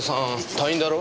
退院だろ？